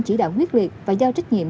chỉ đạo quyết liệt và giao trách nhiệm